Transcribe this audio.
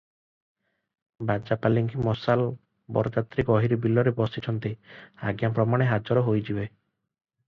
ବାଜା ପାଲିଙ୍କି ମଶାଲ ବରଯାତ୍ରୀ ଗହୀରି ବିଲରେ ବସିଛନ୍ତି, ଆଜ୍ଞାପ୍ରମାଣେ ହାଜର ହୋଇଯିବେ ।"